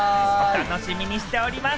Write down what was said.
楽しみにしております。